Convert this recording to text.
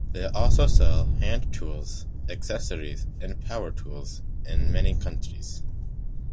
They also sell hand tools, accessories and power tools in many countries.